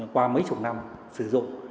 qua mấy chục năm sử dụng